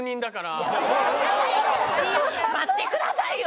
待ってくださいよ！